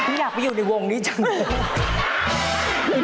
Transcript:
ที่อยากไปอยู่ในวงนี้จ้างนี้